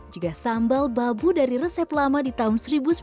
juga sambal babu dari resep lama di tahun seribu